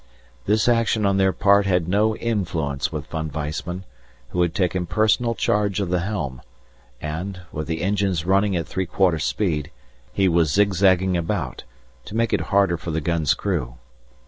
This action on their part had no influence with Von Weissman, who had taken personal charge of the helm, and, with the engines running at three quarter speed, he was zigzagging about, to make it harder for the gun's crew.